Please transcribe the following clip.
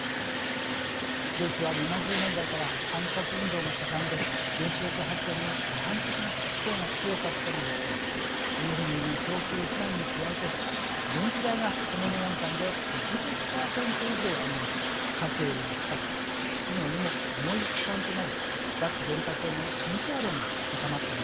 ドイツは７０年代から反核運動が盛んで原子力発電に批判的な声が強かったのですがエネルギーの供給不安に加えて電気代がこの２年間で６０％以上上がり家計を圧迫企業にも重い負担となり脱原発への慎重論が高まったのです。